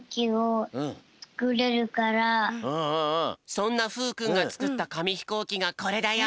そんなふうくんがつくったかみひこうきがこれだよ！